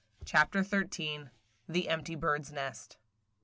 CHAPTER XIII. THE EMPTY BIRD'S NEST.